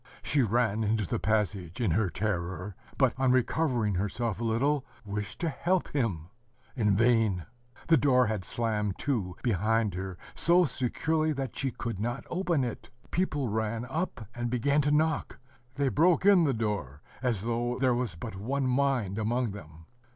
... She ran into the passage in her terror, but, on recovering herself a little, wished to help him; in vain! the door had slammed to behind her so securely that she could not open it. People ran up, and began to knock: they broke in the door, as though there was but one mind among them.